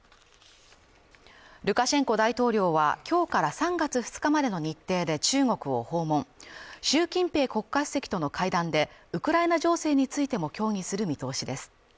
ルカシェンコ大統領は今日から３月２日までの日程で中国を訪問習近平国家主席との会談でウクライナ情勢についても協議する見通しです。